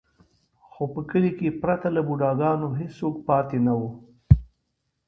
خو په کلي کې پرته له بوډا ګانو هېڅوک پاتې نه و.